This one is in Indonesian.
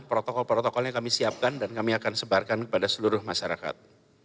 protokol protokolnya kami siapkan dan kami akan sebarkan kepada seluruh masyarakat